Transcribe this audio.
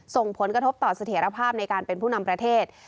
ส่งผลกระทบต่อเสถียรภาพในการเป็นผู้นำประเทศ